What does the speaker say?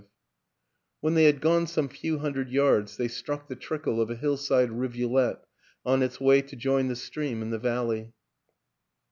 WILLIAM AN ENGLISHMAN 151 When they had gone some few hundred yards they struck the trickle of a hill side rivulet on its way to join the stream in the valley.